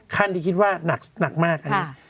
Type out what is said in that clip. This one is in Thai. ขั้นที่คิดว่าหนักมากอันนี้